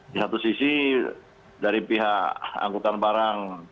di satu sisi dari pihak angkutan barang